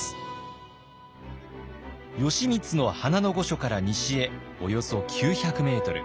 義満の花の御所から西へおよそ９００メートル。